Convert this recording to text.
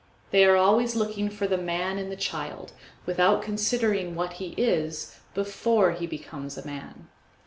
They are always looking for the man in the child, without considering what he is before he becomes a man.